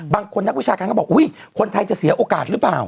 นักวิชาการก็บอกอุ๊ยคนไทยจะเสียโอกาสหรือเปล่า